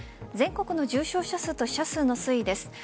全国の重症者数と死者数の推移です。